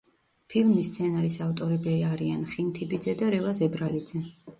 ფილმის სცენარის ავტორები არიან ხინთიბიძე და რევაზ ებრალიძე.